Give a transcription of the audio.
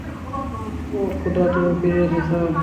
ওহ খোদা তুমি ফিরে এসেছ।